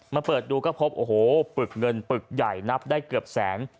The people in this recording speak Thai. เปิดดูก็พบโอ้โหปึกเงินปึกใหญ่นับได้เกือบแสน